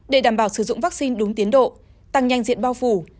để đảm bảo sử dụng vaccine đúng tiến độ tăng nhanh diện bao phủ